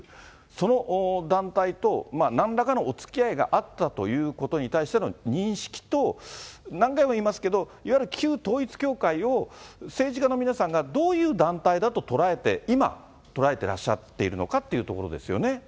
その団体となんらかのおつきあいがあったということに対しての認識と、何回も言いますけれども、いわゆる旧統一教会を政治家の皆さんがどういう団体だと捉えて、今捉えてらっしゃっているのかというところですよね。